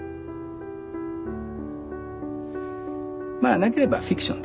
まあなければフィクションで。